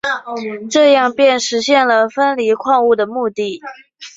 这样便实现了分离矿物的目的。